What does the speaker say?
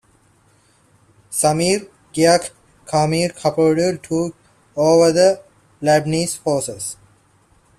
Samir Geagea and Karim Pakradouni took over the Lebanese Forces.